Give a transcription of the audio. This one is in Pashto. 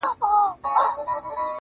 وغورځول.